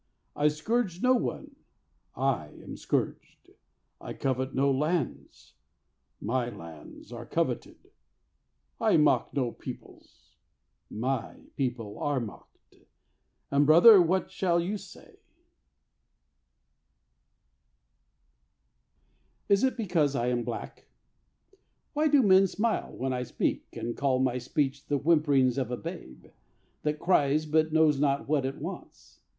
I scourge no one, I am scourged. I covet no lands, My lands are coveted. I mock no peoples, My people are mocked." And, brother, what shall you say? IS IT BECAUSE I AM BLACK? Why do men smile when I speak, And call my speech The whimperings of a babe That cries but knows not what it wants?